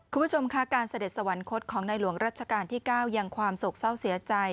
คุณผู้ชมค่ะการเสด็จสวรรคตของในหลวงรัชกาลที่๙ยังความโศกเศร้าเสียใจ